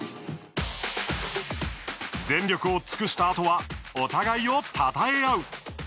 全力を尽くしたあとはお互いをたたえ合う。